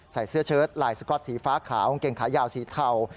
เสื้อเชิดลายสก๊อตสีฟ้าขาวกางเกงขายาวสีเทา